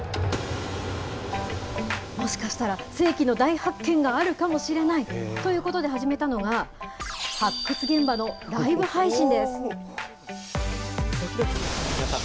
もしかしたら世紀の大発見があるかもしれないということで始めたのが、発掘現場のライブ配信です。